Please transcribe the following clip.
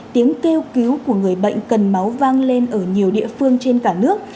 tiếng kêu cứu của người bệnh cần máu vang lên ở nhiều địa phương trên cả nước